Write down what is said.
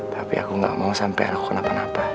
tapi aku nggak mau sampai anak aku kenapa napa